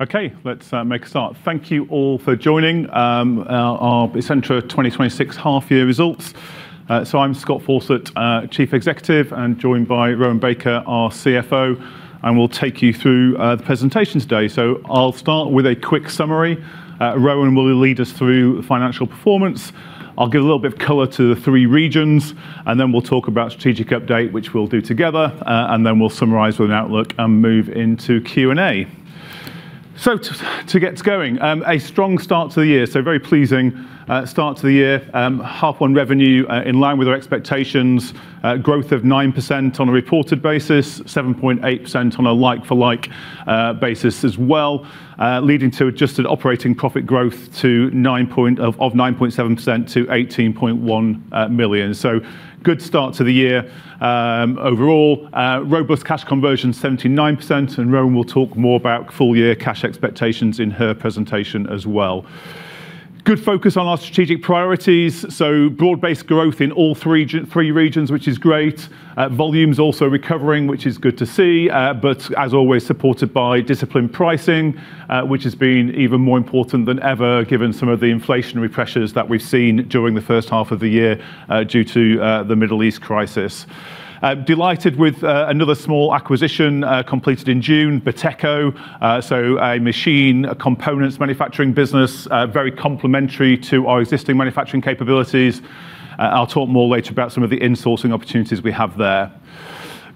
Okay, let's make a start. Thank you all for joining our Essentra 2026 half-year results. I'm Scott Fawcett, Chief Executive, and joined by Rowan Baker, our CFO, and we'll take you through the presentation today. I'll start with a quick summary. Rowan will lead us through the financial performance. I'll give a little bit of color to the three regions. We'll talk about strategic update, which we'll do together. We'll summarize with an outlook and move into Q&A. To get going, a strong start to the year. Very pleasing start to the year. Half on revenue in line with our expectations. Growth of 9% on a reported basis, 7.8% on a like-for-like basis as well, leading to adjusted operating profit growth of 9.7% to 18.1 million. A good start to the year overall. Robust cash conversion 79%. Rowan will talk more about full-year cash expectations in her presentation as well. Good focus on our strategic priorities. Broad-based growth in all three regions, which is great. Volumes also recovering, which is good to see. As always, supported by disciplined pricing, which has been even more important than ever given some of the inflationary pressures that we've seen during the first half of the year due to the Middle East crisis. Delighted with another small acquisition completed in June, Boteco, a machine components manufacturing business very complementary to our existing manufacturing capabilities. I'll talk more later about some of the insourcing opportunities we have there.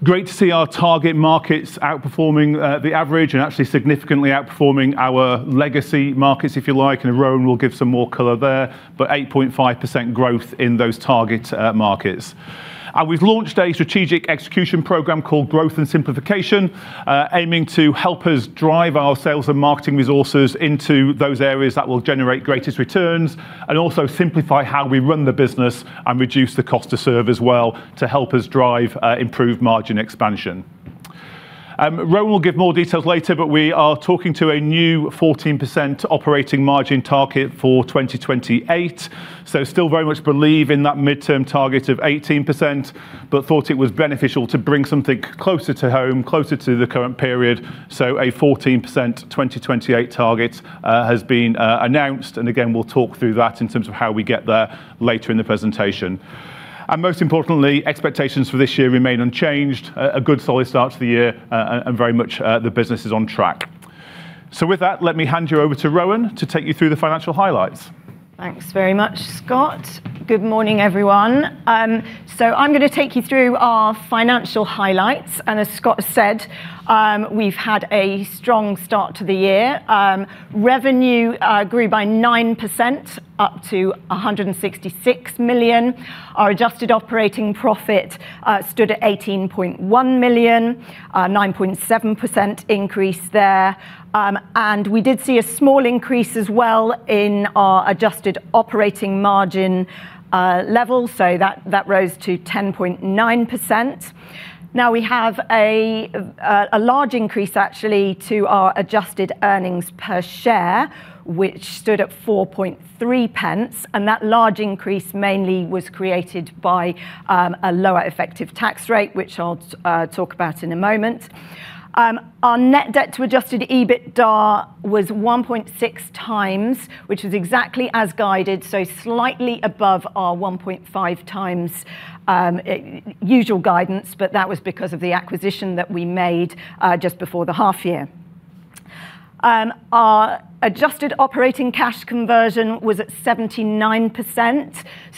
Great to see our target markets outperforming the average and actually significantly outperforming our legacy markets, if you like. Rowan will give some more color there. 8.5% growth in those target markets. We've launched a strategic execution program called Growth and Simplification, aiming to help us drive our sales and marketing resources into those areas that will generate greatest returns, simplify how we run the business and reduce the cost to serve as well to help us drive improved margin expansion. Rowan will give more details later. We are talking to a new 14% operating margin target for 2028. Still very much believe in that midterm target of 18%. Thought it was beneficial to bring something closer to home, closer to the current period. A 14% 2028 target has been announced. Again, we'll talk through that in terms of how we get there later in the presentation. Most importantly, expectations for this year remain unchanged, a good solid start to the year. Very much the business is on track. With that, let me hand you over to Rowan to take you through the financial highlights. Thanks very much, Scott. Good morning, everyone. I'm going to take you through our financial highlights. As Scott said, we've had a strong start to the year. Revenue grew by 9%, up to 166 million. Our adjusted operating profit stood at 18.1 million, a 9.7% increase there. We did see a small increase as well in our adjusted operating margin levels. That rose to 10.9%. We have a large increase, actually, to our adjusted earnings per share, which stood at 0.043. That large increase mainly was created by a lower effective tax rate, which I'll talk about in a moment. Our net debt to adjusted EBITDA was 1.6x, which is exactly as guided, slightly above our 1.5x usual guidance. That was because of the acquisition that we made just before the half year. Our adjusted operating cash conversion was at 79%,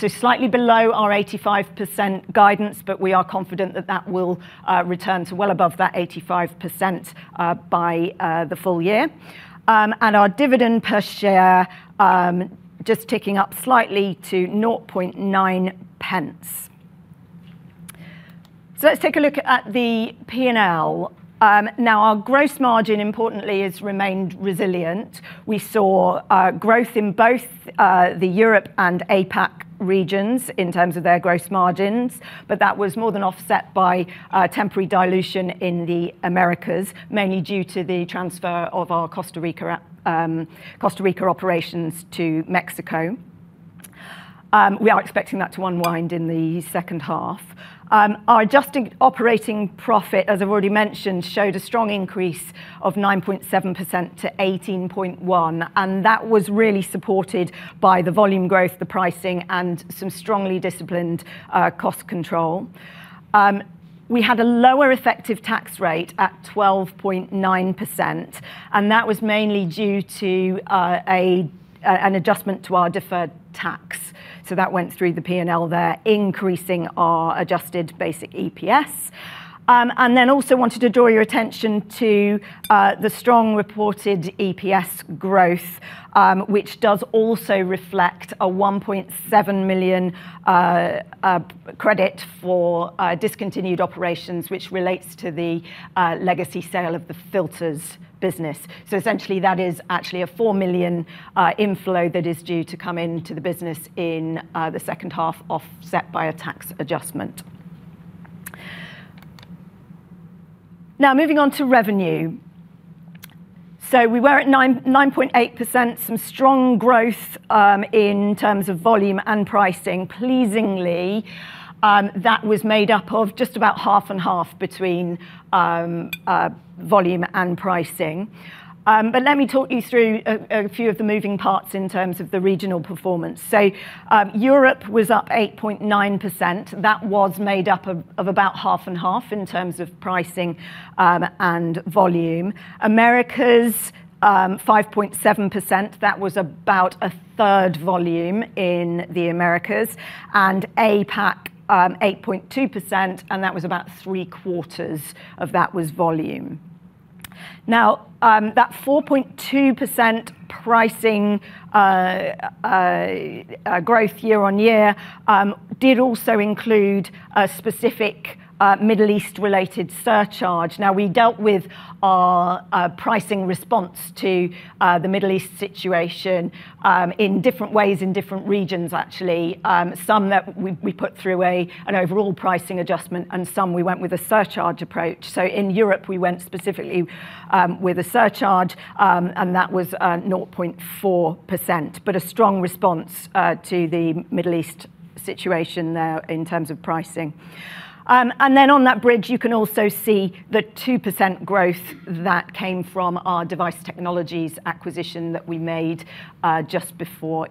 slightly below our 85% guidance. We are confident that that will return to well above that 85% by the full year. Our dividend per share, just ticking up slightly to 0.009. Let's take a look at the P&L. Our gross margin, importantly, has remained resilient. We saw growth in both the Europe and APAC regions in terms of their gross margins. That was more than offset by temporary dilution in the Americas, mainly due to the transfer of our Costa Rica operations to Mexico. We are expecting that to unwind in the second half. Our adjusted operating profit, as I've already mentioned, showed a strong increase of 9.7% to 18.1 million. That was really supported by the volume growth, the pricing, and some strongly disciplined cost control. We had a lower effective tax rate at 12.9%. That was mainly due to an adjustment to our deferred tax. That went through the P&L there, increasing our adjusted basic EPS. Also wanted to draw your attention to the strong reported EPS growth, which does also reflect a 1.7 million credit for discontinued operations, which relates to the legacy sale of the filters business. Essentially, that is actually a 4 million inflow that is due to come into the business in the second half, offset by a tax adjustment. Moving on to revenue. We were at 9.8%, some strong growth in terms of volume and pricing. Pleasingly, that was made up of just about half and half between volume and pricing. Let me talk you through a few of the moving parts in terms of the regional performance. Europe was up 8.9%. That was made up of about half and half in terms of pricing and volume. Americas, 5.7%, that was about 1/3 of volume in the Americas. APAC, 8.2%. That was about 1/3 of that was volume. That 4.2% pricing growth year-on-year did also include a specific Middle East related surcharge. We dealt with our pricing response to the Middle East situation in different ways in different regions, actually. Some that we put through an overall pricing adjustment. Some we went with a surcharge approach. In Europe, we went specifically with a surcharge. That was 0.4%, a strong response to the Middle East situation there in terms of pricing. On that bridge, you can also see the 2% growth that came from our Device Technologies acquisition that we made just before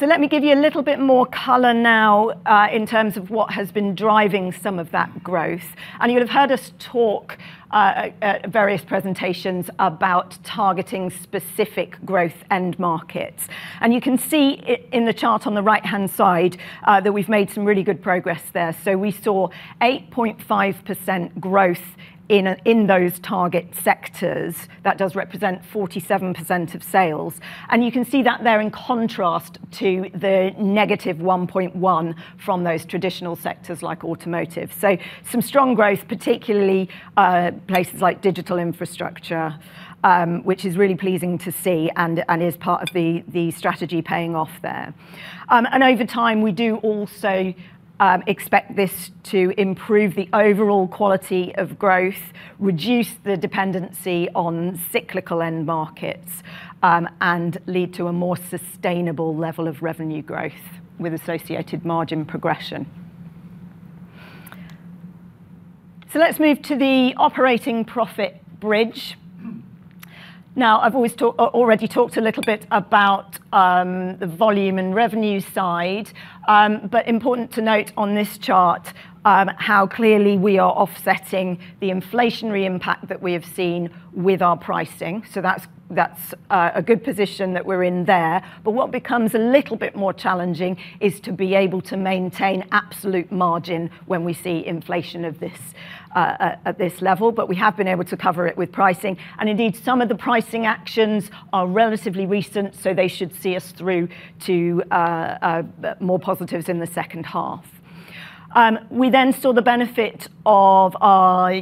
year-end. Let me give you a little bit more color now in terms of what has been driving some of that growth. You'll have heard us talk at various presentations about targeting specific growth end markets. You can see in the chart on the right-hand side that we've made some really good progress there. We saw 8.5% growth in those target sectors. That does represent 47% of sales. You can see that there in contrast to the -1.1 from those traditional sectors like automotive. Some strong growth, particularly places like digital infrastructure, which is really pleasing to see and is part of the strategy paying off there. Over time, we do also expect this to improve the overall quality of growth, reduce the dependency on cyclical end markets, and lead to a more sustainable level of revenue growth with associated margin progression. Let's move to the operating profit bridge. I've already talked a little bit about the volume and revenue side. Important to note on this chart, how clearly we are offsetting the inflationary impact that we have seen with our pricing. That's a good position that we're in there. What becomes a little bit more challenging is to be able to maintain absolute margin when we see inflation at this level. We have been able to cover it with pricing. Indeed, some of the pricing actions are relatively recent, so they should see us through to more positives in the second half. We saw the benefit of our,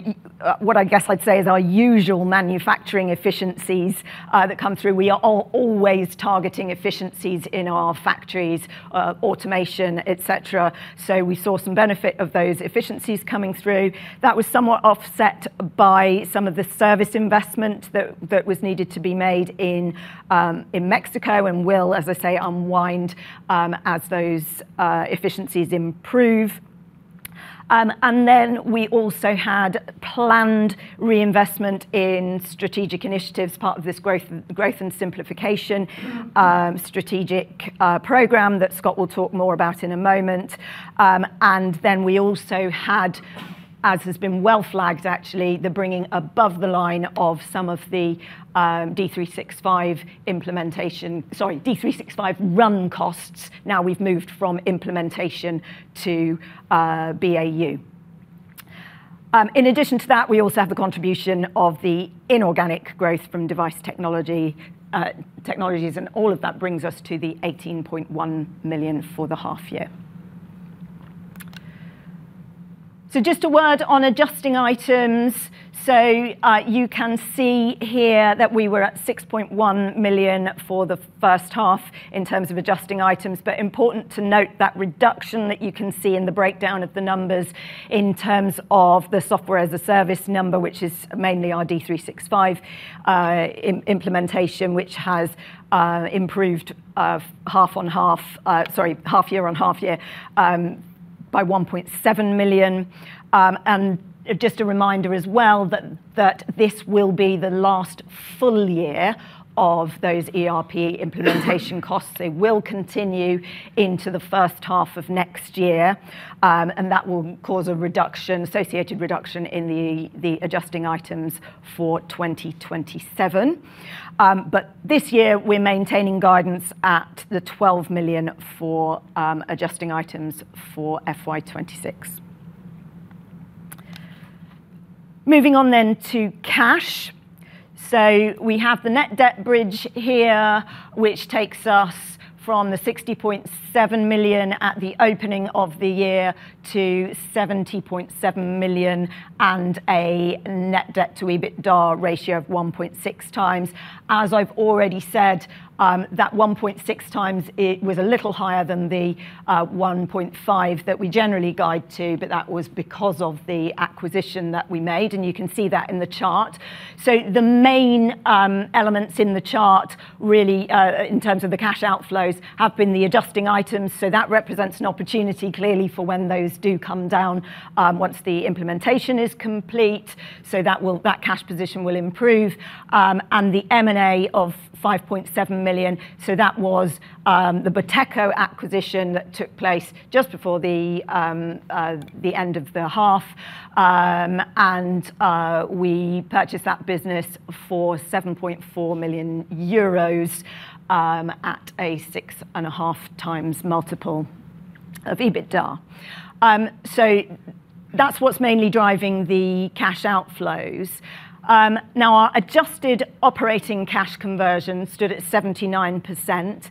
what I guess I'd say is our usual manufacturing efficiencies that come through. We are always targeting efficiencies in our factories, automation, et cetera. We saw some benefit of those efficiencies coming through. That was somewhat offset by some of the service investment that was needed to be made in Mexico and will, as I say, unwind as those efficiencies improve. We also had planned reinvestment in strategic initiatives, part of this Growth and Simplification strategic program that Scott will talk more about in a moment. We also had, as has been well flagged actually, the bringing above the line of some of the D365 run costs. We've moved from implementation to BAU. In addition to that, we also have the contribution of the inorganic growth from Device Technologies, and all of that brings us to the 18.1 million for the half year. Just a word on adjusting items. You can see here that we were at 6.1 million for the first half in terms of adjusting items. Important to note that reduction that you can see in the breakdown of the numbers in terms of the Software as a Service number, which is mainly our D365 implementation, which has improved half year-on-half year by 1.7 million. Just a reminder as well that this will be the last full year of those ERP implementation costs. They will continue into the first half of next year, and that will cause an associated reduction in the adjusting items for 2027. This year, we're maintaining guidance at the 12 million for adjusting items for FY 2026. Moving on to cash. We have the net debt bridge here, which takes us from the 60.7 million at the opening of the year to 70.7 million and a net debt to EBITDA ratio of 1.6x. As I've already said, that 1.6x was a little higher than the 1.5x that we generally guide to, but that was because of the acquisition that we made, and you can see that in the chart. The main elements in the chart really, in terms of the cash outflows, have been the adjusting items. That represents an opportunity clearly for when those do come down once the implementation is complete. That cash position will improve. The M&A of 5.7 million, that was the Boteco acquisition that took place just before the end of the half. We purchased that business for 7.4 million euros at a 6.5x multiple of EBITDA. That's what's mainly driving the cash outflows. Our adjusted operating cash conversion stood at 79%.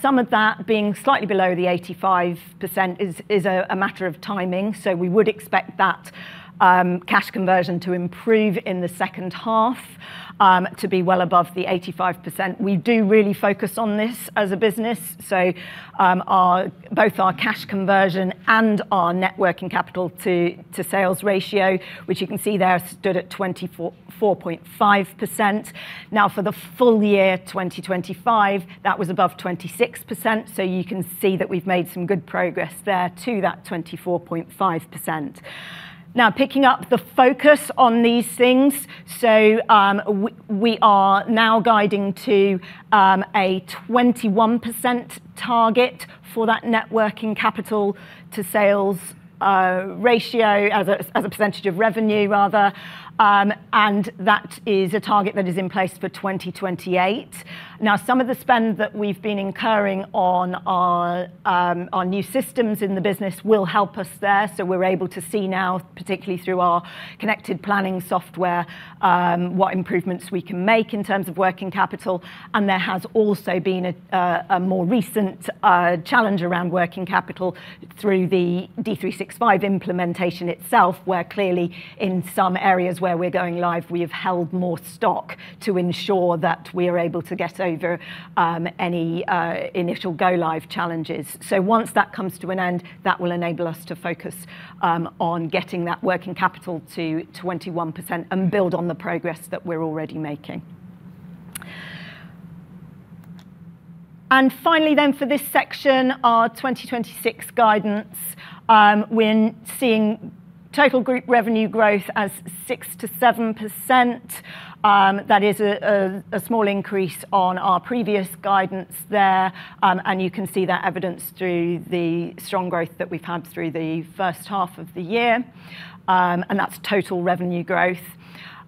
Some of that being slightly below the 85% is a matter of timing, we would expect that cash conversion to improve in the second half to be well above the 85%. We do really focus on this as a business. Both our cash conversion and our net working capital to sales ratio, which you can see there, stood at 24.5%. For the full year 2025, that was above 26%, you can see that we've made some good progress there to that 24.5%. Picking up the focus on these things, we are now guiding to a 21% target for that net working capital to sales ratio as a percentage of revenue, rather, and that is a target that is in place for 2028. Some of the spend that we've been incurring on our new systems in the business will help us there, we're able to see now, particularly through our connected planning software, what improvements we can make in terms of working capital, and there has also been a more recent challenge around working capital through the D365 implementation itself, where clearly in some areas where we're going live, we have held more stock to ensure that we are able to get over any initial go live challenges. Once that comes to an end, that will enable us to focus on getting that working capital to 21% and build on the progress that we're already making. Finally then for this section, our 2026 guidance. We're seeing total group revenue growth as 6%-7%. That is a small increase on our previous guidance there. You can see that evidenced through the strong growth that we've had through the first half of the year. That's total revenue growth.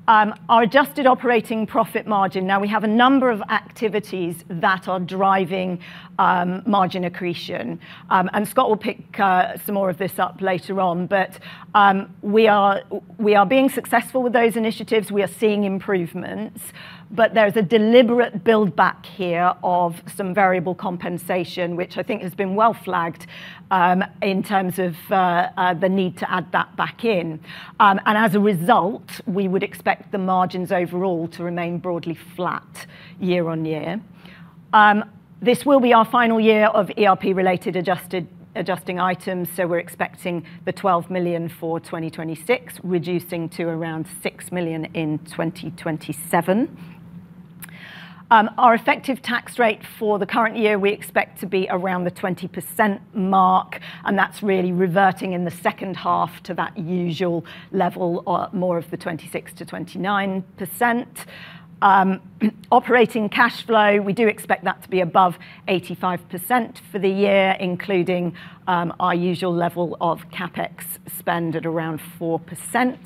Our adjusted operating profit margin, now we have a number of activities that are driving margin accretion. Scott will pick some more of this up later on. We are being successful with those initiatives. We are seeing improvements. There is a deliberate build back here of some variable compensation, which I think has been well flagged in terms of the need to add that back in. As a result, we would expect the margins overall to remain broadly flat year-on-year. This will be our final year of ERP related adjusting items, we're expecting the 12 million for 2026, reducing to around 6 million in 2027. Our effective tax rate for the current year we expect to be around the 20% mark, that's really reverting in the second half to that usual level or more of the 26%-29%. Operating cash flow, we do expect that to be above 85% for the year, including our usual level of CapEx spend at around 4%.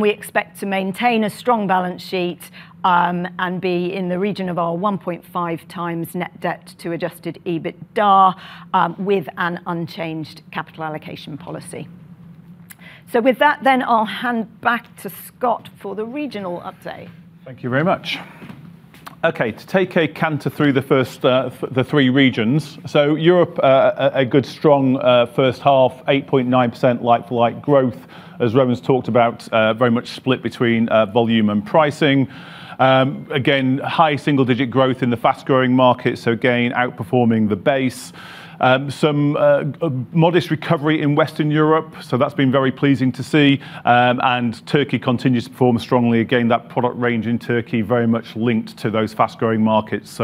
We expect to maintain a strong balance sheet and be in the region of our 1.5x net debt to adjusted EBITDA with an unchanged capital allocation policy. With that then, I'll hand back to Scott for the regional update. Thank you very much. To take a canter through the first of the three regions. Europe, a good strong first half, 8.9% like-for-like growth, as Rowan's talked about, very much split between volume and pricing. High single digit growth in the fast-growing markets, again, outperforming the base. Some modest recovery in Western Europe, that's been very pleasing to see. Turkey continues to perform strongly. That product range in Turkey very much linked to those fast-growing markets.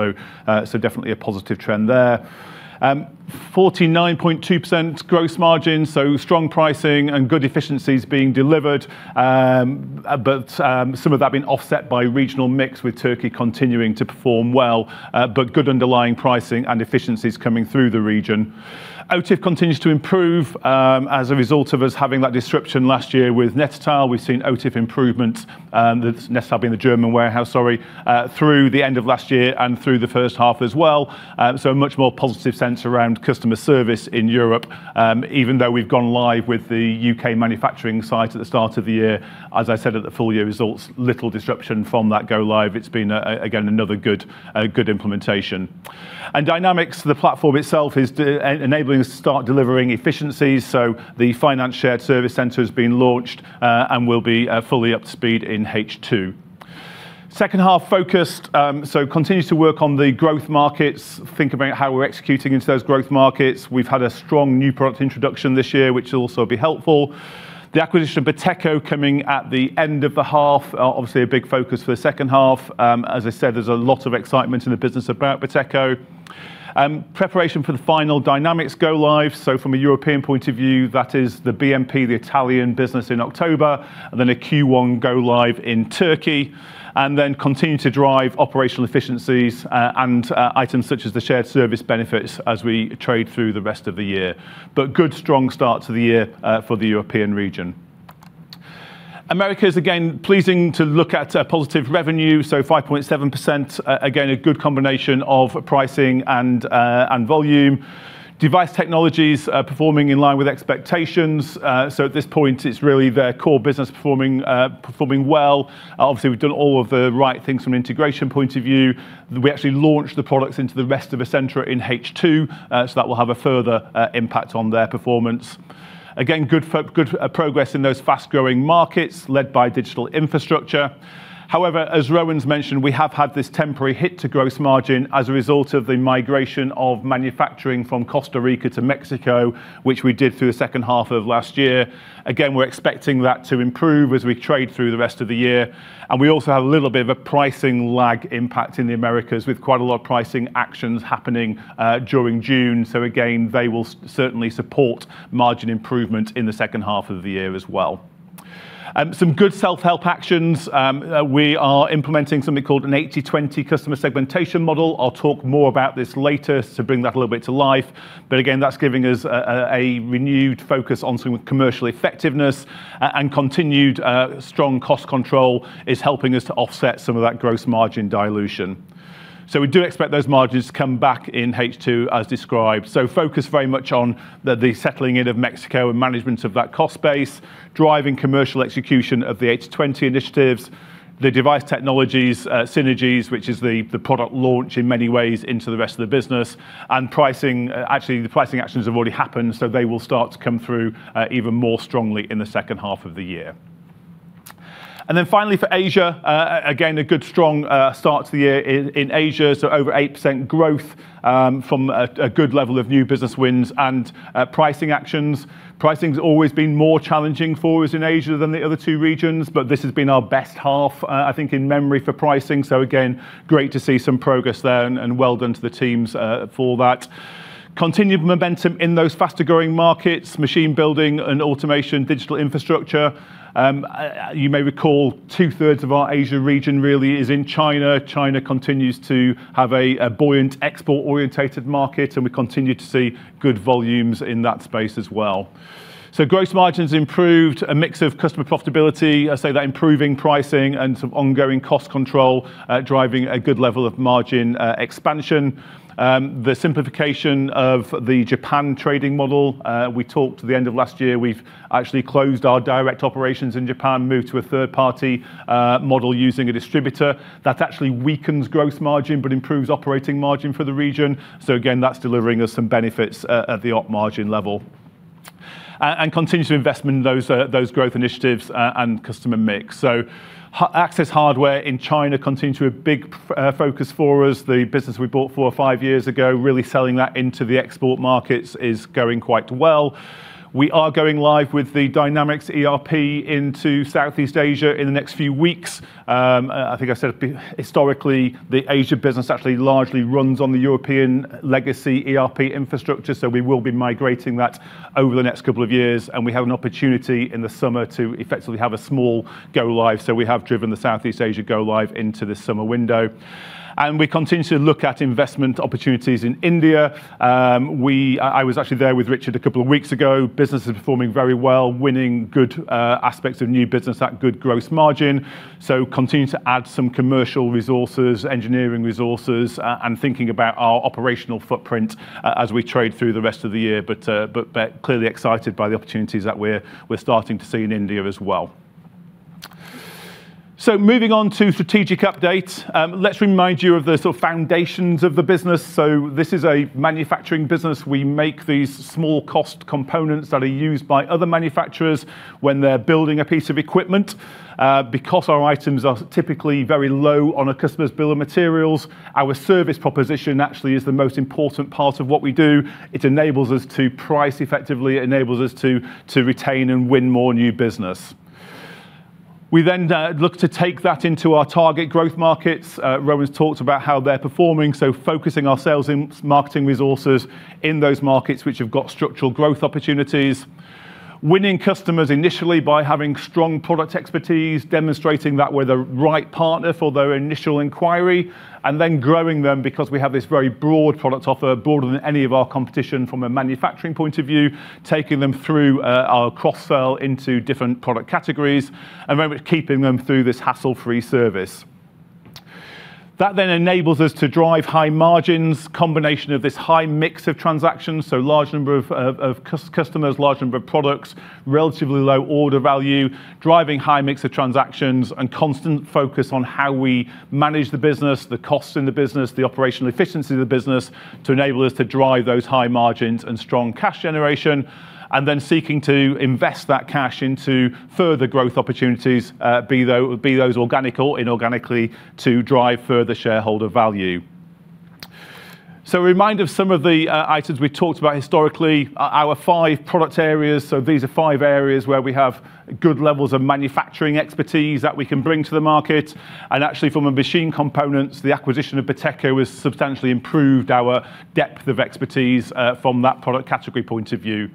Definitely a positive trend there. 49.2% gross margin, strong pricing and good efficiencies being delivered. Some of that being offset by regional mix with Turkey continuing to perform well, but good underlying pricing and efficiencies coming through the region. OTIF continues to improve as a result of us having that disruption last year with Nettetal. We've seen OTIF improvement, that's Nettetal being the German warehouse, sorry, through the end of last year and through the first half as well. A much more positive sense around customer service in Europe. Even though we've gone live with the U.K. manufacturing site at the start of the year, as I said at the full year results, little disruption from that go live. It's been, again, another good implementation. Dynamics, the platform itself, is enabling us to start delivering efficiencies, so the finance shared service center has been launched and will be fully up to speed in H2. Second half focused, continues to work on the growth markets, think about how we're executing into those growth markets. We've had a strong new product introduction this year, which will also be helpful. The acquisition of Boteco coming at the end of the half, obviously a big focus for the second half. As I said, there's a lot of excitement in the business about Boteco. Preparation for the final Dynamics go live. From a European point of view, that is the BMP, the Italian business in October, then a Q1 go live in Turkey. Continue to drive operational efficiencies, and items such as the shared service benefits as we trade through the rest of the year. Good, strong start to the year for the European region. America is, pleasing to look at positive revenue, 5.7%. A good combination of pricing and volume. Device Technologies are performing in line with expectations. At this point, it's really their core business performing well. Obviously, we've done all of the right things from an integration point of view. We actually launched the products into the rest of Essentra in H2, so that will have a further impact on their performance. Again, good progress in those fast-growing markets led by digital infrastructure. However, as Rowan's mentioned, we have had this temporary hit to gross margin as a result of the migration of manufacturing from Costa Rica to Mexico, which we did through the second half of last year. Again, we're expecting that to improve as we trade through the rest of the year. We also have a little bit of a pricing lag impact in the Americas with quite a lot of pricing actions happening during June. Again, they will certainly support margin improvement in the second half of the year as well. Some good self-help actions. We are implementing something called an 80/20 customer segmentation model. I'll talk more about this later to bring that a little bit to life. Again, that's giving us a renewed focus on some commercial effectiveness, and continued strong cost control is helping us to offset some of that gross margin dilution. We do expect those margins to come back in H2 as described. Focused very much on the settling in of Mexico and management of that cost base, driving commercial execution of the 80/20 initiatives, the Device Technologies synergies, which is the product launch in many ways into the rest of the business, and pricing. Actually, the pricing actions have already happened, so they will start to come through even more strongly in the second half of the year. Finally for Asia, again, a good strong start to the year in Asia. Over 8% growth from a good level of new business wins and pricing actions. Pricing's always been more challenging for us in Asia than the other two regions, but this has been our best half, I think, in memory for pricing. Again, great to see some progress there and well done to the teams for that. Continued momentum in those faster-growing markets, machine building and automation, digital infrastructure. You may recall two-thirds of our Asia region really is in China. China continues to have a buoyant export-orientated market, and we continue to see good volumes in that space as well. Gross margins improved, a mix of customer profitability, so that improving pricing and some ongoing cost control, driving a good level of margin expansion. The simplification of the Japan trading model. We talked at the end of last year, we've actually closed our direct operations in Japan, moved to a third-party model using a distributor. That actually weakens gross margin but improves operating margin for the region. Again, that's delivering us some benefits at the op margin level. Continued to investment in those growth initiatives and customer mix. Access Hardware in China continue to a big focus for us. The business we bought four or five years ago, really selling that into the export markets is going quite well. We are going live with the Dynamics ERP into Southeast Asia in the next few weeks. I think I said historically, the Asia business actually largely runs on the European legacy ERP infrastructure, we will be migrating that over the next two years, and we have an opportunity in the summer to effectively have a small go live. We have driven the Southeast Asia go live into the summer window. We continue to look at investment opportunities in India. I was actually there with Richard two weeks ago. Business is performing very well, winning good aspects of new business at good gross margin. Continue to add some commercial resources, engineering resources, and thinking about our operational footprint as we trade through the rest of the year. Clearly excited by the opportunities that we're starting to see in India as well. Moving on to strategic updates. Let's remind you of the foundations of the business. This is a manufacturing business. We make these small cost components that are used by other manufacturers when they're building a piece of equipment. Because our items are typically very low on a customer's bill of materials, our service proposition actually is the most important part of what we do. It enables us to price effectively, it enables us to retain and win more new business. We look to take that into our target growth markets. Rowan's talked about how they're performing, focusing our sales and marketing resources in those markets which have got structural growth opportunities. Winning customers initially by having strong product expertise, demonstrating that we're the right partner for their initial inquiry, and then growing them because we have this very broad product offer, broader than any of our competition from a manufacturing point of view, taking them through our cross-sell into different product categories, and very much keeping them through this hassle-free service. That enables us to drive high margins, combination of this high mix of transactions, large number of customers, large number of products, relatively low order value, driving high mix of transactions, and constant focus on how we manage the business, the costs in the business, the operational efficiency of the business to enable us to drive those high margins and strong cash generation, seeking to invest that cash into further growth opportunities, be those organic or inorganically to drive further shareholder value. A reminder of some of the items we talked about historically. Our five product areas, these are five areas where we have good levels of manufacturing expertise that we can bring to the market. Actually from a machine components, the acquisition of Boteco has substantially improved our depth of expertise from that product category point of view.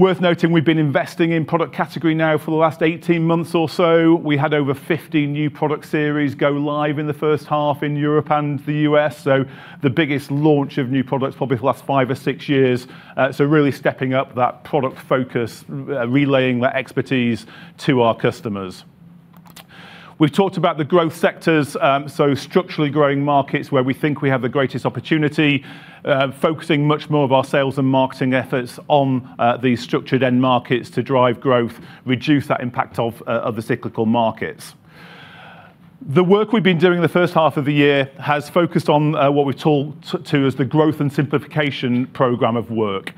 Worth noting, we've been investing in product category now for the last 18 months or so. We had over 50 new product series go live in the first half in Europe and the U.S. The biggest launch of new products probably for the last five or six years. Really stepping up that product focus, relaying that expertise to our customers. We've talked about the growth sectors, structurally growing markets where we think we have the greatest opportunity, focusing much more of our sales and marketing efforts on these structured end markets to drive growth, reduce that impact of the cyclical markets. The work we've been doing the first half of the year has focused on what we talk to as the Growth and Simplification program of work.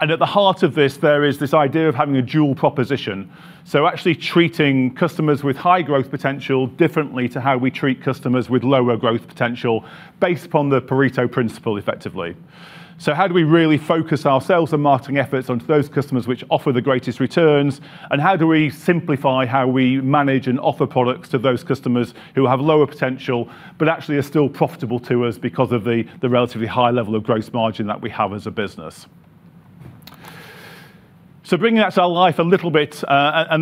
At the heart of this, there is this idea of having a dual proposition. Actually treating customers with high growth potential differently to how we treat customers with lower growth potential based upon the Pareto principle, effectively. How do we really focus our sales and marketing efforts onto those customers which offer the greatest returns? How do we simplify how we manage and offer products to those customers who have lower potential, but actually are still profitable to us because of the relatively high level of gross margin that we have as a business? Bringing that to life a little bit,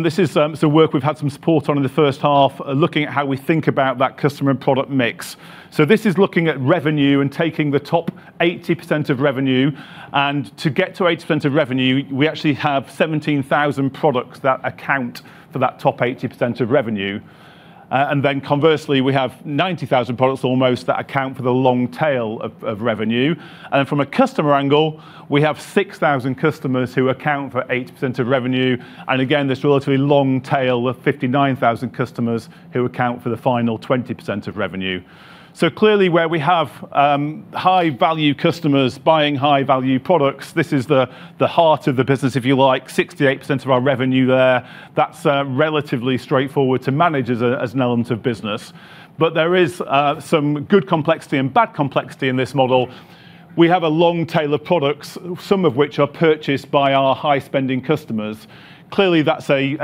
this is some work we've had some support on in the first half, looking at how we think about that customer and product mix. This is looking at revenue and taking the top 80% of revenue, and to get to 80% of revenue, we actually have 17,000 products that account for that top 80% of revenue. Conversely, we have 90,000 products almost that account for the long tail of revenue. From a customer angle, we have 6,000 customers who account for 80% of revenue. Again, this relatively long tail of 59,000 customers who account for the final 20% of revenue. Clearly where we have high-value customers buying high-value products, this is the heart of the business, if you like, 68% of our revenue there. That's relatively straightforward to manage as an element of business. There is some good complexity and bad complexity in this model. We have a long tail of products, some of which are purchased by our high-spending customers. Clearly, that's a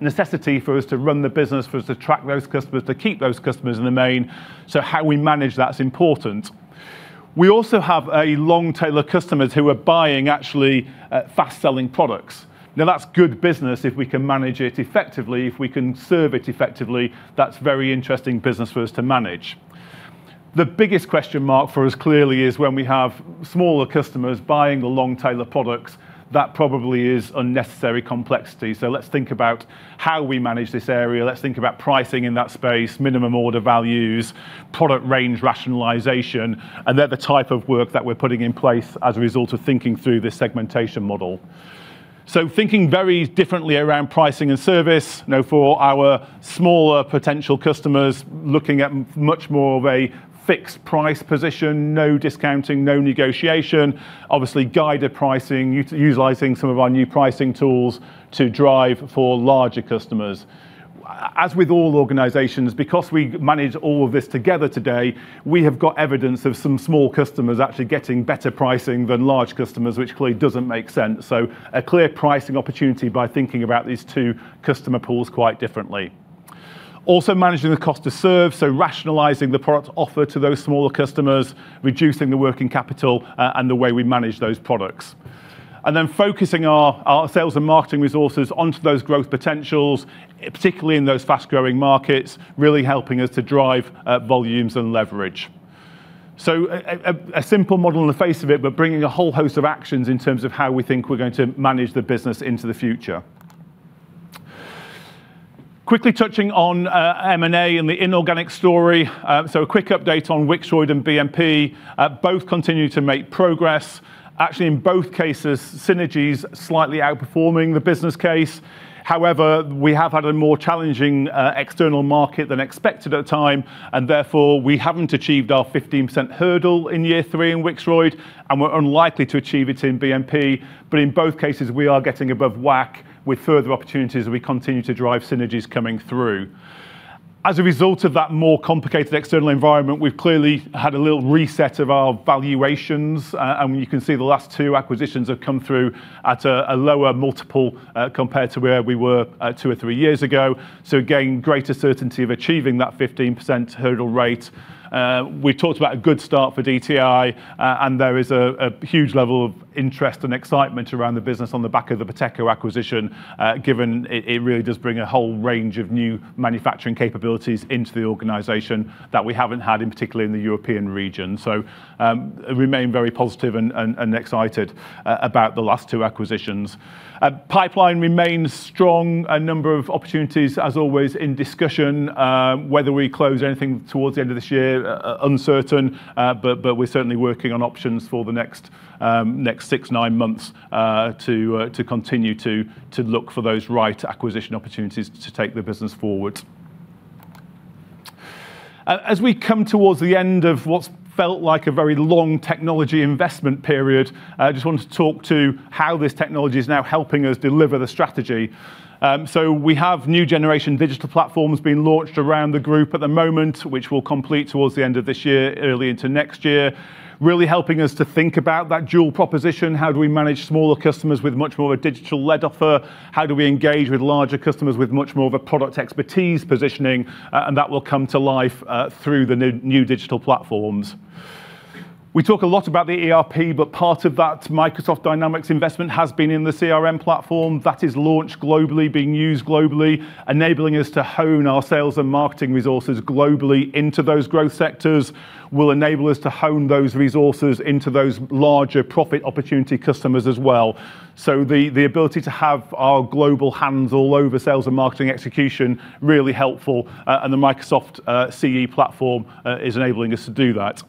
necessity for us to run the business, for us to attract those customers, to keep those customers in the main. How we manage that is important. We also have a long tail of customers who are buying actually fast-selling products. That's good business if we can manage it effectively, if we can serve it effectively. That's very interesting business for us to manage. The biggest question mark for us clearly is when we have smaller customers buying the long tail of products, that probably is unnecessary complexity. Let's think about how we manage this area. Let's think about pricing in that space, minimum order values, product range rationalization, and the type of work that we're putting in place as a result of thinking through this segmentation model. Thinking very differently around pricing and service. For our smaller potential customers, looking at much more of a fixed price position, no discounting, no negotiation. Obviously, guided pricing, utilizing some of our new pricing tools to drive for larger customers. As with all organizations, because we manage all of this together today, we have got evidence of some small customers actually getting better pricing than large customers, which clearly doesn't make sense. A clear pricing opportunity by thinking about these two customer pools quite differently. Managing the cost to serve, rationalizing the product offer to those smaller customers, reducing the working capital, and the way we manage those products. Focusing our sales and marketing resources onto those growth potentials, particularly in those fast-growing markets, really helping us to drive volumes and leverage. A simple model on the face of it, but bringing a whole host of actions in terms of how we think we're going to manage the business into the future. Quickly touching on M&A and the inorganic story. A quick update on Wixroyd and BMP. Both continue to make progress. Actually, in both cases, synergies slightly outperforming the business case. We have had a more challenging external market than expected at the time, and therefore, we haven't achieved our 15% hurdle in year three in Wixroyd, and we're unlikely to achieve it in BMP. In both cases, we are getting above WACC with further opportunities as we continue to drive synergies coming through. As a result of that more complicated external environment, we've clearly had a little reset of our valuations. You can see the last two acquisitions have come through at a lower multiple compared to where we were two or three years ago. Again, greater certainty of achieving that 15% hurdle rate. We talked about a good start for DTI, and there is a huge level of interest and excitement around the business on the back of the Boteco acquisition, given it really does bring a whole range of new manufacturing capabilities into the organization that we haven't had, in particular in the European region. Remain very positive and excited about the last two acquisitions. Pipeline remains strong. A number of opportunities, as always, in discussion. Whether we close anything towards the end of this year, uncertain, but we're certainly working on options for the next six, nine months to continue to look for those right acquisition opportunities to take the business forward. As we come towards the end of what's felt like a very long technology investment period, I just wanted to talk to how this technology is now helping us deliver the strategy. We have new generation digital platforms being launched around the group at the moment, which we'll complete towards the end of this year, early into next year, really helping us to think about that dual proposition. How do we manage smaller customers with much more of a digital-led offer? How do we engage with larger customers with much more of a product expertise positioning? That will come to life through the new digital platforms. We talk a lot about the ERP, part of that Microsoft Dynamics investment has been in the CRM platform that is launched globally, being used globally, enabling us to hone our sales and marketing resources globally into those growth sectors, will enable us to hone those resources into those larger profit opportunity customers as well. The ability to have our global hands all over sales and marketing execution, really helpful, and the Microsoft CE platform is enabling us to do that.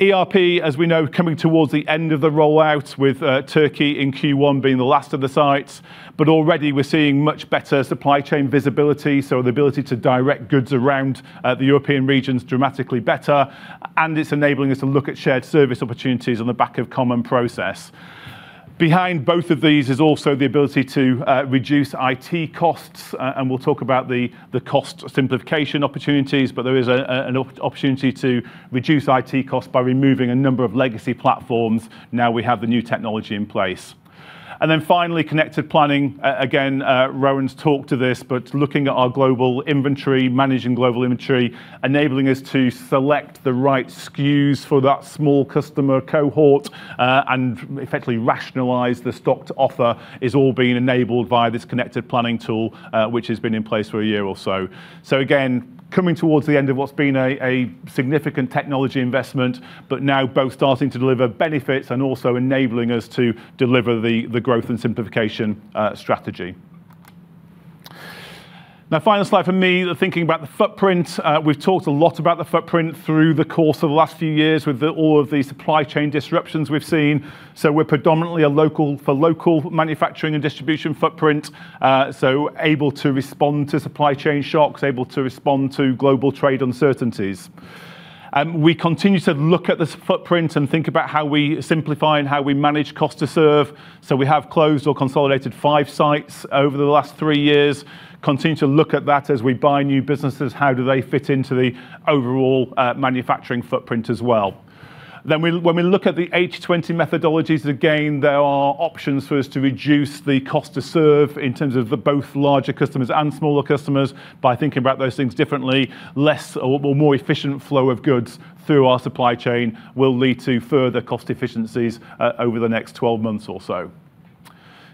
ERP, as we know, coming towards the end of the rollout with Turkey in Q1 being the last of the sites, but already we're seeing much better supply chain visibility, so the ability to direct goods around the European region is dramatically better, and it's enabling us to look at shared service opportunities on the back of common process. Behind both of these is also the ability to reduce IT costs, and we'll talk about the cost simplification opportunities, but there is an opportunity to reduce IT costs by removing a number of legacy platforms now we have the new technology in place. Then finally, connected planning. Rowan's talked to this, but looking at our global inventory, managing global inventory, enabling us to select the right SKUs for that small customer cohort, and effectively rationalize the stocked offer is all being enabled by this connected planning tool, which has been in place for a year or so. So again, coming towards the end of what's been a significant technology investment, but now both starting to deliver benefits and also enabling us to deliver the Growth and Simplification strategy. Final slide from me, thinking about the footprint. We've talked a lot about the footprint through the course of the last few years with all of the supply chain disruptions we've seen. We're predominantly a local for local manufacturing and distribution footprint, so able to respond to supply chain shocks, able to respond to global trade uncertainties. We continue to look at this footprint and think about how we simplify and how we manage cost to serve. We have closed or consolidated five sites over the last three years. Continue to look at that as we buy new businesses. How do they fit into the overall manufacturing footprint as well? Then when we look at the 80/20 methodologies, again, there are options for us to reduce the cost to serve in terms of both larger customers and smaller customers by thinking about those things differently. A more efficient flow of goods through our supply chain will lead to further cost efficiencies over the next 12 months or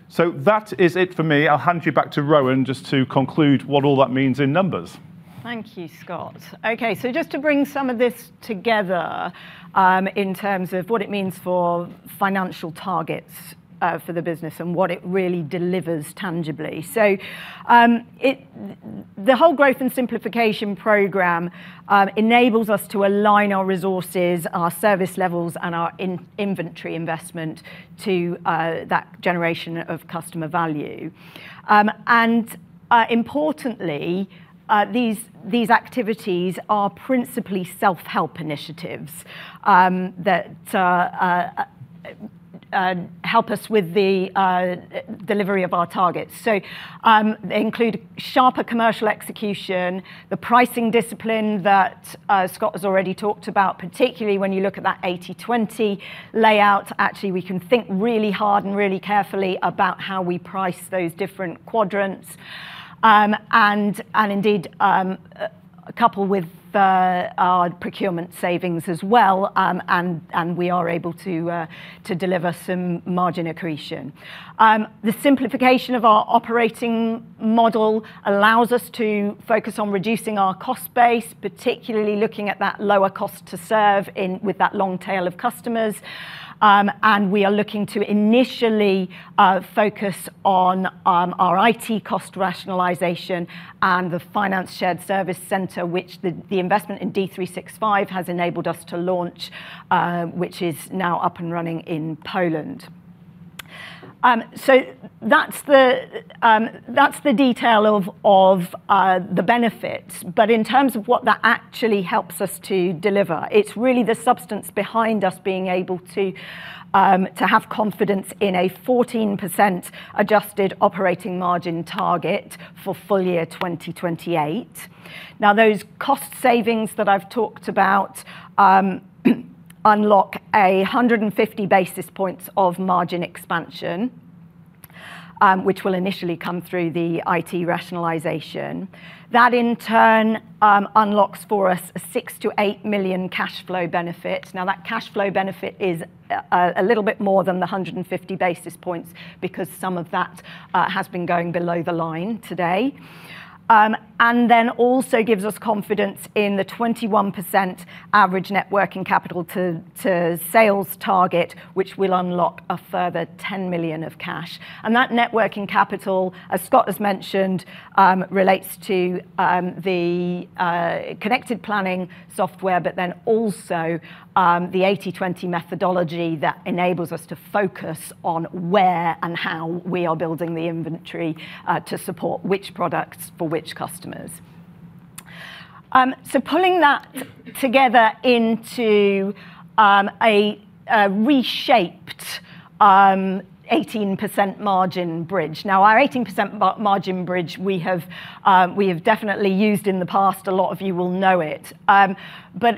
so. That is it for me. I'll hand you back to Rowan just to conclude what all that means in numbers. Thank you, Scott. Just to bring some of this together in terms of what it means for financial targets for the business and what it really delivers tangibly. The whole Growth and Simplification program enables us to align our resources, our service levels, and our inventory investment to that generation of customer value. And importantly, these activities are principally self-help initiatives that help us with the delivery of our targets. They include sharper commercial execution, the pricing discipline that Scott has already talked about, particularly when you look at that 80/20 layout. Actually, we can think really hard and really carefully about how we price those different quadrants, and indeed, couple with our procurement savings as well, and we are able to deliver some margin accretion. The simplification of our operating model allows us to focus on reducing our cost base, particularly looking at that lower cost to serve with that long tail of customers. We are looking to initially focus on our IT cost rationalization and the finance shared service center, which the investment in D365 has enabled us to launch, which is now up and running in Poland. That's the detail of the benefits. In terms of what that actually helps us to deliver, it's really the substance behind us being able to have confidence in a 14% adjusted operating margin target for full year 2028. Those cost savings that I've talked about unlock 150 basis points of margin expansion, which will initially come through the IT rationalization. That in turn unlocks for us a 6 million-8 million cash flow benefit. That cash flow benefit is a little bit more than the 150 basis points because some of that has been going below the line today, also gives us confidence in the 21% average net working capital to sales target, which will unlock a further 10 million of cash. That net working capital, as Scott has mentioned, relates to the connected planning software, but then also the 80/20 methodology that enables us to focus on where and how we are building the inventory to support which products for which customers. Pulling that together into a reshaped 18% margin bridge. Our 18% margin bridge, we have definitely used in the past. A lot of you will know it.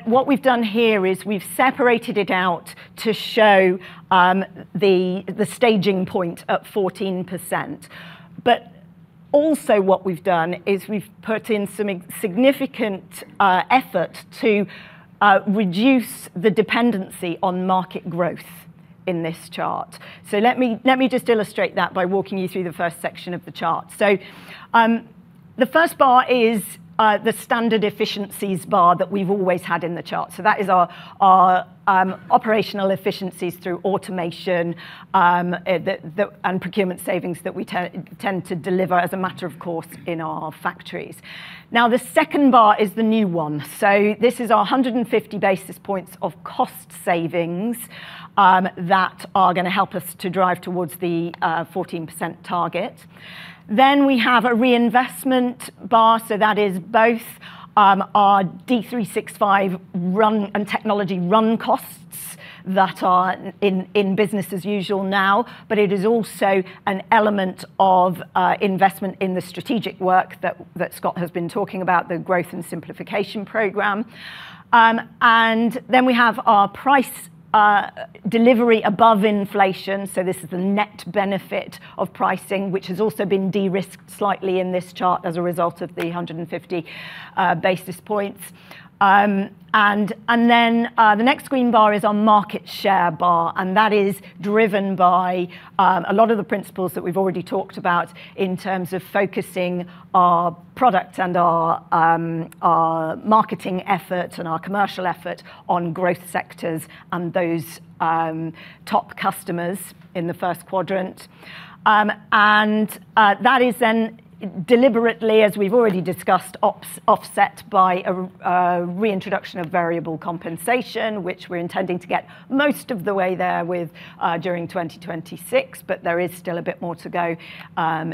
What we've done here is we've separated it out to show the staging point at 14%. Also what we've done is we've put in some significant effort to reduce the dependency on market growth in this chart. Let me just illustrate that by walking you through the first section of the chart. The first bar is the standard efficiencies bar that we've always had in the chart. That is our operational efficiencies through automation, and procurement savings that we tend to deliver as a matter of course in our factories. The second bar is the new one. This is our 150 basis points of cost savings that are going to help us to drive towards the 14% target. We have a reinvestment bar, that is both our D365 run and technology run costs that are in business as usual now, but it is also an element of investment in the strategic work that Scott has been talking about, the Growth and Simplification program. We have our price delivery above inflation, this is the net benefit of pricing, which has also been de-risked slightly in this chart as a result of the 150 basis points. The next green bar is our market share bar, that is driven by a lot of the principles that we've already talked about in terms of focusing our product and our marketing effort and our commercial effort on growth sectors and those top customers in the first quadrant. That is then deliberately, as we've already discussed, offset by a reintroduction of variable compensation, which we're intending to get most of the way there with during 2026, but there is still a bit more to go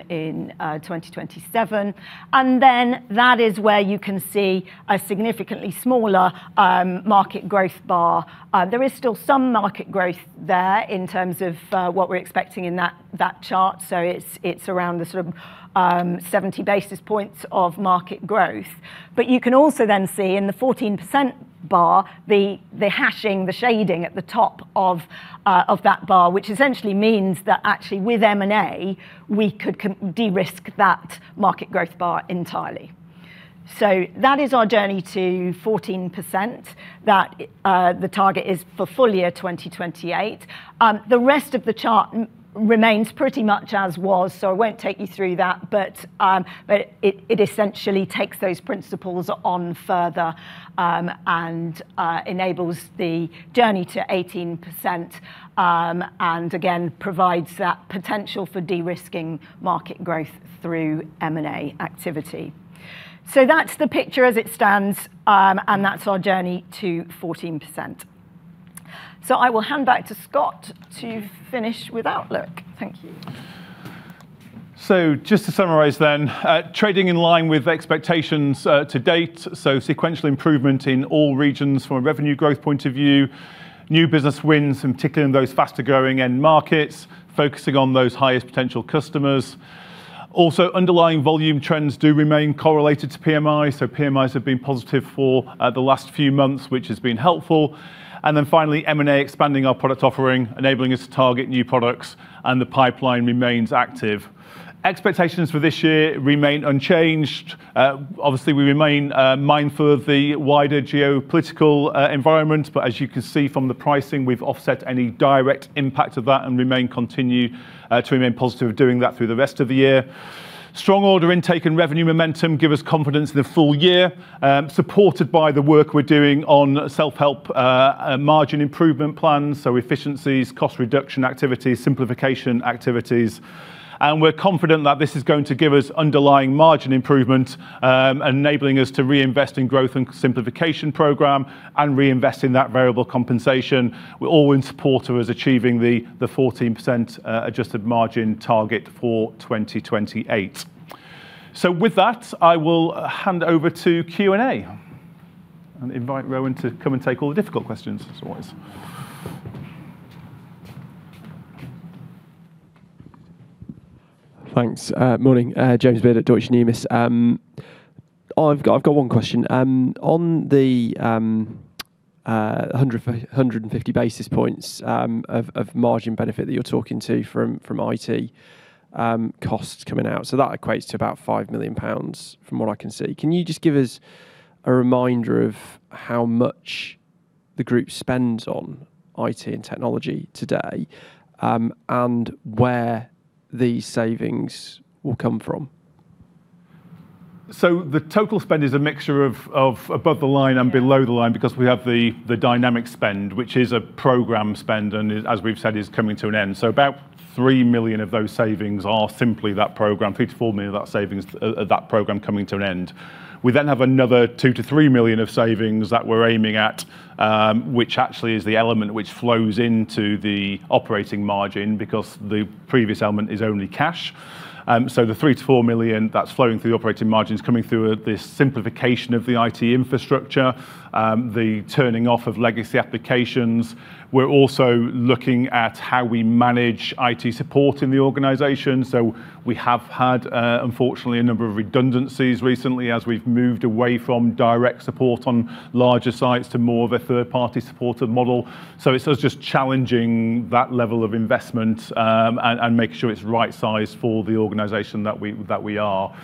in 2027. That is where you can see a significantly smaller market growth bar. There is still some market growth there in terms of what we're expecting in that chart. It's around the sort of 70 basis points of market growth. You can also then see in the 14% bar, the hashing, the shading at the top of that bar, which essentially means that actually with M&A, we could de-risk that market growth bar entirely. That is our journey to 14%, the target is for full year 2028. The rest of the chart remains pretty much as was, I won't take you through that. It essentially takes those principles on further, and enables the journey to 18%, and again, provides that potential for de-risking market growth through M&A activity. That's the picture as it stands, and that's our journey to 14%. I will hand back to Scott to finish with outlook. Thank you. Just to summarize then, trading in line with expectations to date, sequential improvement in all regions from a revenue growth point of view, new business wins, and particularly in those faster-growing end markets, focusing on those highest potential customers. Also, underlying volume trends do remain correlated to PMI. PMIs have been positive for the last few months, which has been helpful. Finally, M&A expanding our product offering, enabling us to target new products and the pipeline remains active. Expectations for this year remain unchanged. Obviously, we remain mindful of the wider geopolitical environment, but as you can see from the pricing, we've offset any direct impact of that and continue to remain positive of doing that through the rest of the year. Strong order intake and revenue momentum give us confidence in the full year, supported by the work we're doing on self-help margin improvement plans, efficiencies, cost reduction activities, simplification activities. We're confident that this is going to give us underlying margin improvement, enabling us to reinvest in Growth and Simplification program and reinvest in that variable compensation. All in support of us achieving the 14% adjusted margin target for 2028. With that, I will hand over to Q&A and invite Rowan to come and take all the difficult questions as always. Thanks. Morning. James Beard at Deutsche Numis. I have one question. On the 150 basis points of margin benefit that you are talking to from IT costs coming out, that equates to about 5 million pounds from what I can see. Can you just give us a reminder of how much the group spends on IT and technology today, and where these savings will come from? The total spend is a mixture of above the line and below the line because we have the Dynamics spend, which is a program spend, and as we've said, is coming to an end. About 3 million of those savings are simply that program, 3 million-4 million of that savings, of that program coming to an end. We have another 2 million-3 million of savings that we're aiming at, which actually is the element which flows into the operating margin because the previous element is only cash. The 3 million-4 million that's flowing through the operating margins coming through this simplification of the IT infrastructure, the turning off of legacy applications. We're also looking at how we manage IT support in the organization. We have had, unfortunately, a number of redundancies recently as we've moved away from direct support on larger sites to more of a third-party supported model. It's us just challenging that level of investment, and making sure it's right-sized for the organization that we are.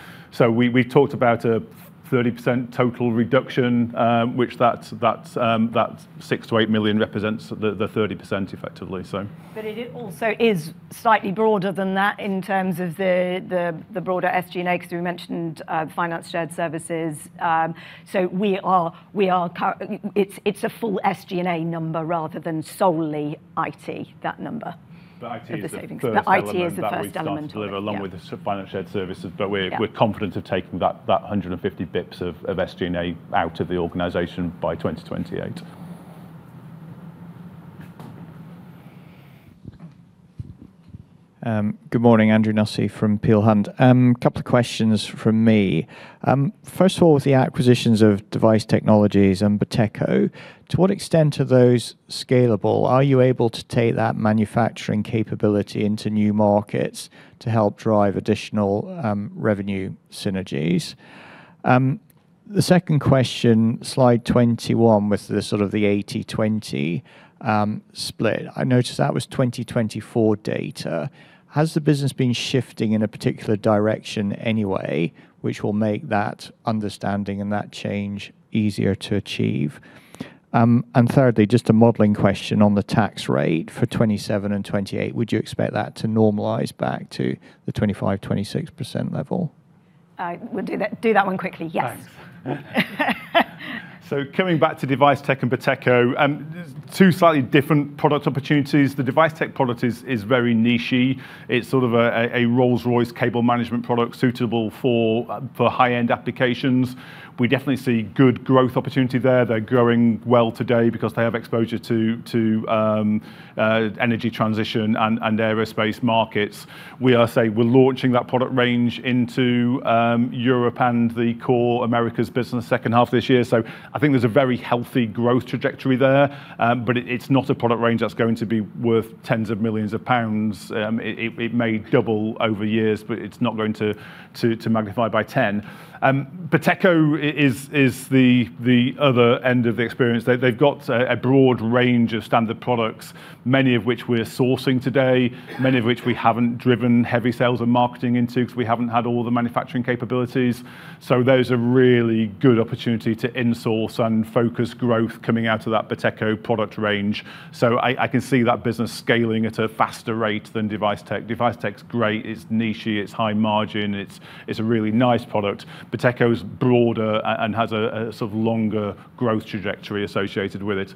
We talked about a 30% total reduction, which that 6 million-8 million represents the 30%, effectively so. It also is slightly broader than that in terms of the broader SG&A because we mentioned finance shared services. It's a full SG&A number rather than solely IT, that number. IT is the first element Of the savings. IT is the first element of it, yeah that we've started to deliver along with the finance shared services. Yeah. We're confident of taking that 150 basis points of SG&A out of the organization by 2028. Good morning, Andrew Nussey from Peel Hunt. Couple of questions from me. First of all, with the acquisitions of Device Technologies and Boteco, to what extent are those scalable? Are you able to take that manufacturing capability into new markets to help drive additional revenue synergies? The second question, slide 21, with the sort of the 80/20 split. I noticed that was 2024 data. Has the business been shifting in a particular direction anyway, which will make that understanding and that change easier to achieve? Thirdly, just a modeling question on the tax rate for 2027 and 2028. Would you expect that to normalize back to the 25%-26% level? I will do that one quickly. Yes. Thanks. Coming back to Device Tech and Boteco, two slightly different product opportunities. The Device Tech product is very niche-y. It's sort of a Rolls-Royce cable management product suitable for high-end applications. We definitely see good growth opportunity there. They're growing well today because they have exposure to energy transition and aerospace markets. We are launching that product range into Europe and the core Americas business second half of this year. I think there's a very healthy growth trajectory there. But it's not a product range that's going to be worth tens of millions of pounds. It may double over years, but it's not going to magnify by 10. Boteco is the other end of the experience. They've got a broad range of standard products, many of which we're sourcing today, many of which we haven't driven heavy sales and marketing into because we haven't had all the manufacturing capabilities. Those are really good opportunity to insource and focus growth coming out of that Boteco product range. I can see that business scaling at a faster rate than Device Tech. Device Tech's great. It's niche-y, it's high margin. It's a really nice product. Boteco is broader and has a sort of longer growth trajectory associated with it.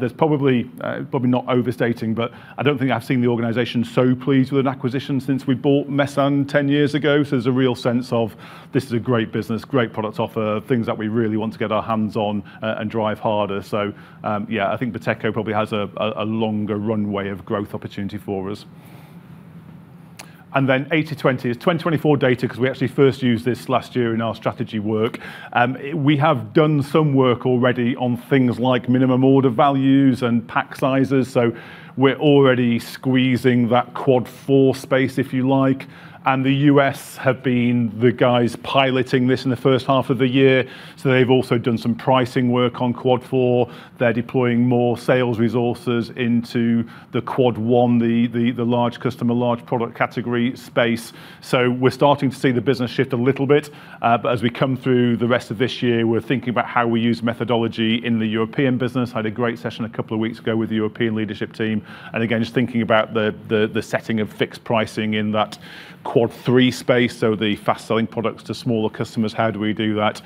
There's probably, not overstating, but I don't think I've seen the organization so pleased with an acquisition since we bought Mesan 10 years ago. There's a real sense of this is a great business, great product offer, things that we really want to get our hands on and drive harder. Yeah, I think Boteco probably has a longer runway of growth opportunity for us. Then 80/20 is 2024 data because we actually first used this last year in our strategy work. We have done some work already on things like minimum order values and pack sizes, so we're already squeezing that quad 4 space, if you like. The U.S. have been the guys piloting this in the first half of the year, so they've also done some pricing work on quad 4. They're deploying more sales resources into the quad 1, the large customer, large product category space. We're starting to see the business shift a little bit. As we come through the rest of this year, we're thinking about how we use methodology in the European business. Had a great session a couple of weeks ago with the European leadership team. Again, just thinking about the setting of fixed pricing in that quad 3 space, so the fast-selling products to smaller customers, how do we do that?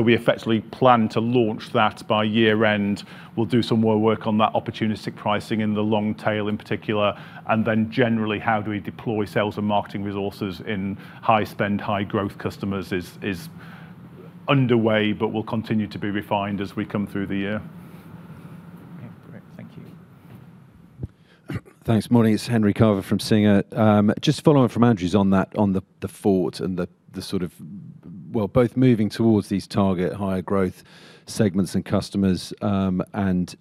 We effectively plan to launch that by year-end. We'll do some more work on that opportunistic pricing in the long tail in particular, and then generally how do we deploy sales and marketing resources in high spend, high growth customers is underway but will continue to be refined as we come through the year. Okay, great. Thank you. Thanks. Morning. It's Henry Carver from Singer. Just following from Andrew's on that, on the thought and the sort of, well, both moving towards these target higher growth segments and customers, and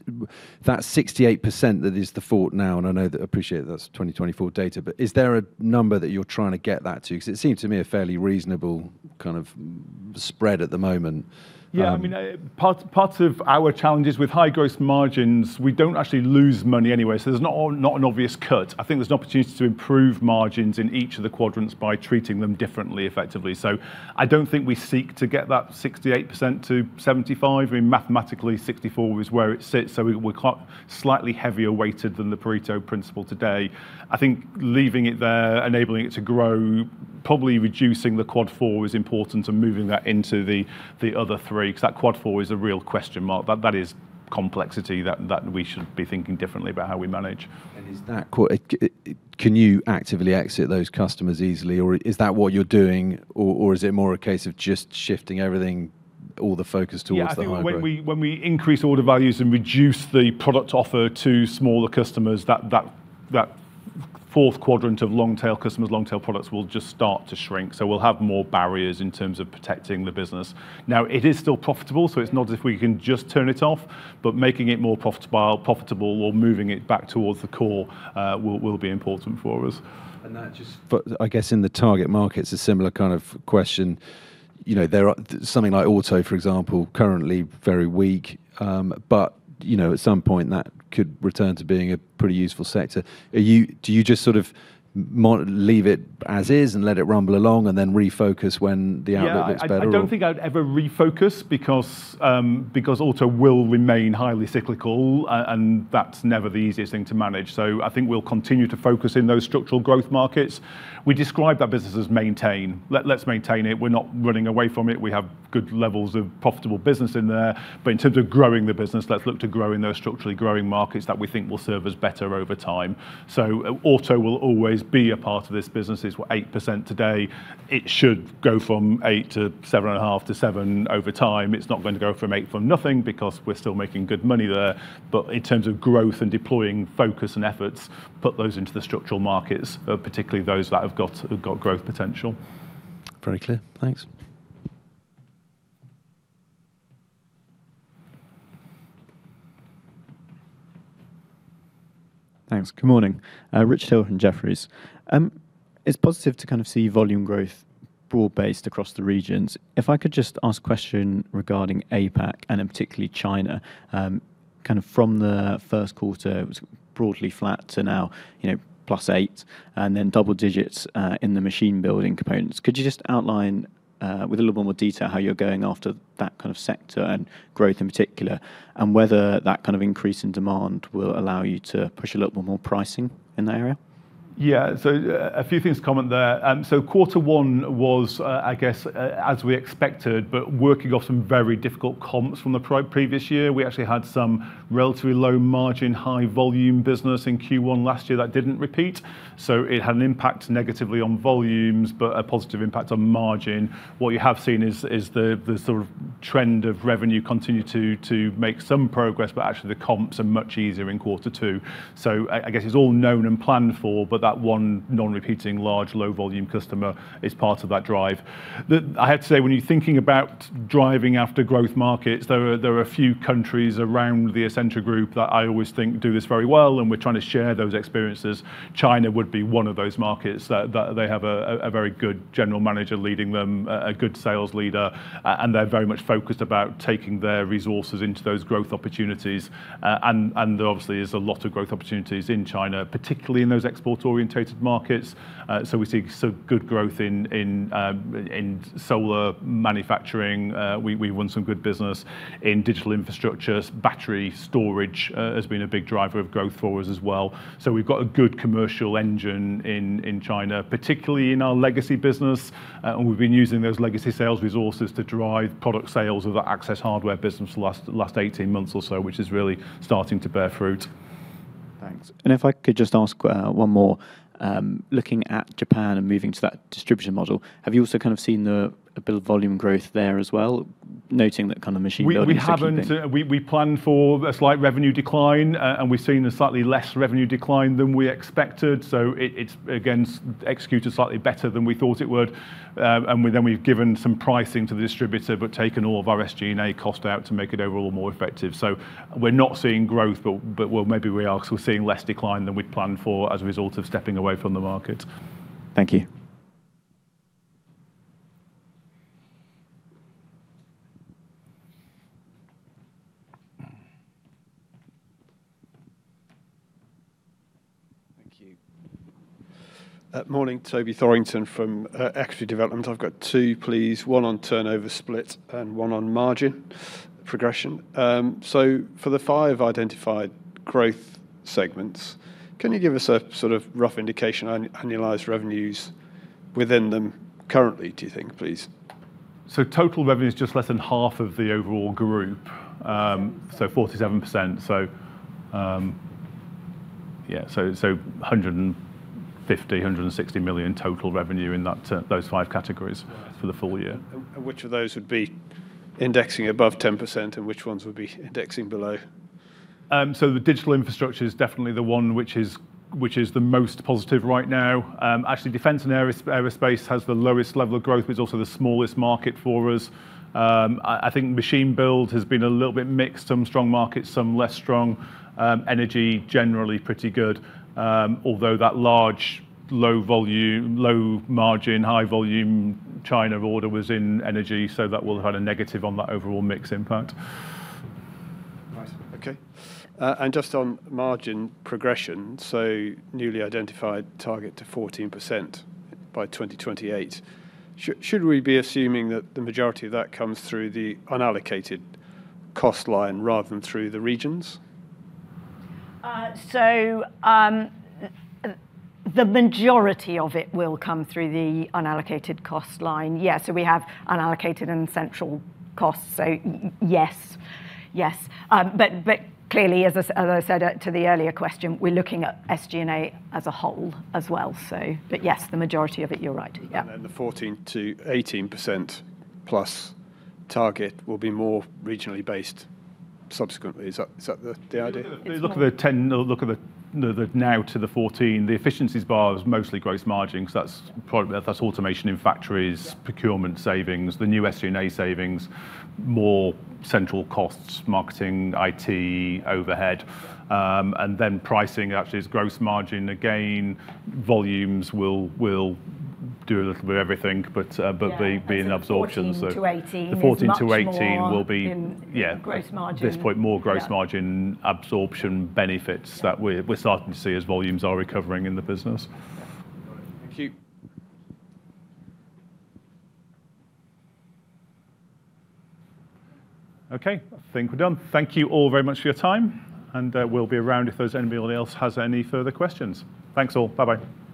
that 68% that is the thought now, and I know that appreciate that's 2024 data, but is there a number that you're trying to get that to? Because it seems to me a fairly reasonable kind of spread at the moment. Yeah, part of our challenge is with high gross margins, we don't actually lose money anyway, there's not an obvious cut. I think there's an opportunity to improve margins in each of the quadrants by treating them differently, effectively. I don't think we seek to get that 68%-75%. I mean, mathematically, 64% is where it sits, we're quite slightly heavier weighted than the Pareto Principle today. I think leaving it there, enabling it to grow, probably reducing the quad four is important and moving that into the other three, because that quad four is a real question mark. That is complexity that we should be thinking differently about how we manage. Can you actively exit those customers easily, or is that what you're doing, or is it more a case of just shifting everything, all the focus towards the high growth? Yeah, I think when we increase order values and reduce the product offer to smaller customers, that Fourth quadrant of long-tail customers, long-tail products will just start to shrink. We'll have more barriers in terms of protecting the business. Now, it is still profitable, so it's not as if we can just turn it off, but making it more profitable or moving it back towards the core will be important for us. That just for, I guess, in the target markets, a similar kind of question. Something like auto, for example, currently very weak. At some point that could return to being a pretty useful sector. Do you just sort of leave it as is and let it rumble along and then refocus when the outlook looks better? I don't think I'd ever refocus because auto will remain highly cyclical, and that's never the easiest thing to manage. I think we'll continue to focus in those structural growth markets. We describe that business as maintain. Let's maintain it. We're not running away from it. We have good levels of profitable business in there. In terms of growing the business, let's look to grow in those structurally growing markets that we think will serve us better over time. Auto will always be a part of this business. It's what, 8% today. It should go from eight to seven and a half to seven over time. It's not going to go from eight from nothing because we're still making good money there. In terms of growth and deploying focus and efforts, put those into the structural markets, particularly those that have got growth potential. Very clear. Thanks. Thanks. Good morning. Rich Hill from Jefferies. It's positive to kind of see volume growth broad-based across the regions. If I could just ask question regarding APAC and in particularly China. From the first quarter, it was broadly flat to now plus eight, and then double digits in the Machine Building components. Could you just outline with a little more detail how you're going after that kind of sector and growth in particular, and whether that kind of increase in demand will allow you to push a little more pricing in the area? A few things to comment there. Quarter one was, I guess, as we expected, but working off some very difficult comps from the previous year. We actually had some relatively low margin, high volume business in Q1 last year that didn't repeat. It had an impact negatively on volumes, but a positive impact on margin. What you have seen is the sort of trend of revenue continue to make some progress, but actually the comps are much easier in quarter two. I guess it's all known and planned for, but that one non-repeating large low volume customer is part of that drive. I have to say, when you're thinking about driving after growth markets, there are a few countries around the Essentra group that I always think do this very well, and we're trying to share those experiences. China would be one of those markets. They have a very good general manager leading them, a good sales leader, and they're very much focused about taking their resources into those growth opportunities. Obviously, there's a lot of growth opportunities in China, particularly in those export-orientated markets. We see good growth in solar manufacturing. We won some good business in digital infrastructure. Battery storage has been a big driver of growth for us as well. We've got a good commercial engine in China, particularly in our legacy business. We've been using those legacy sales resources to drive product sales of the Access Hardware business the last 18 months or so, which is really starting to bear fruit. Thanks. If I could just ask one more. Looking at Japan and moving to that distribution model, have you also kind of seen a bit of volume growth there as well, noting that kind of machine building segment being. We haven't. We planned for a slight revenue decline, we've seen a slightly less revenue decline than we expected. It, again, executed slightly better than we thought it would. We've given some pricing to the distributor, but taken all of our SG&A cost out to make it overall more effective. We're not seeing growth, but well, maybe we are, because we're seeing less decline than we'd planned for as a result of stepping away from the market. Thank you. Thank you. Morning, Toby Thorrington from Equity Development. I've got two, please. One on turnover split and one on margin progression. For the five identified growth segments, can you give us a sort of rough indication on annualized revenues within them currently, do you think, please? Total revenue is just less than half of the overall group. 47%. 150 million-160 million total revenue in those five categories for the full year. Which of those would be indexing above 10% and which ones would be indexing below? The digital infrastructure is definitely the one which is the most positive right now. Actually, defense and aerospace has the lowest level of growth, but it's also the smallest market for us. I think machine build has been a little bit mixed, some strong markets, some less strong. Energy, generally pretty good. Although that large low margin, high volume China order was in energy, that will have had a negative on that overall mix impact. Right. Okay. Just on margin progression, newly identified target to 14% by 2028. Should we be assuming that the majority of that comes through the unallocated cost line rather than through the regions? The majority of it will come through the unallocated cost line. Yeah. We have unallocated and central costs. Yes. Clearly, as I said to the earlier question, we're looking at SG&A as a whole as well. Yes, the majority of it, you're right. Yeah. The 14%-18%+ target will be more regionally based subsequently. Is that the idea? Look at the now to the 14%, the efficiencies bar is mostly gross margin, because that's automation in factories, procurement savings, the new SG&A savings, more central costs, marketing, IT, overhead. Pricing actually is gross margin. Volumes will do a little bit of everything, but the absorptions. Yeah. The 14%-18% is much more in- The 14%-18% will be, yeah gross margin at this point, more gross margin absorption benefits that we're starting to see as volumes are recovering in the business. Got it. Thank you. Okay. I think we're done. Thank you all very much for your time, and we'll be around if there's anybody else has any further questions. Thanks all. Bye-bye.